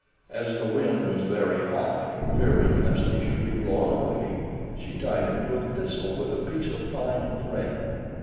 As the wind was very high, fearing lest he should be blown away, she tied him to a thistle with a piece of fine thread.